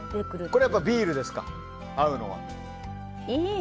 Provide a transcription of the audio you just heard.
これはやっぱりビールですか合うのは？